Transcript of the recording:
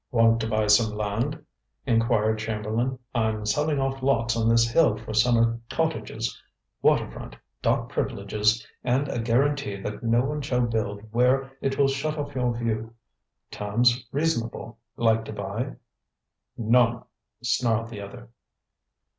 "Want to buy some land?" inquired Chamberlain. "I'm selling off lots on this hill for summer cottages. Water front, dock privileges, and a guaranty that no one shall build where it will shut off your view. Terms reasonable. Like to buy?" "Non!" snarled the other.